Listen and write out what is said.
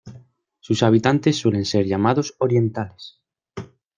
Sus habitantes suelen ser llamados orientales.